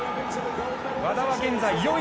和田は現在４位。